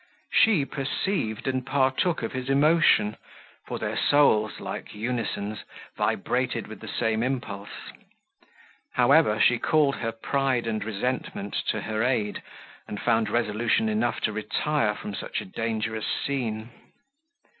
She perceived and partook of his emotion; for their souls, like unisons, vibrated with the same impulse. However, she called her pride and resentment to her aid, and found resolution enough to retire from such a dangerous scene.